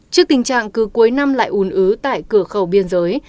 trước tình trạng cứ cuối năm lại ùn ứ tại cửa khẩu biên giới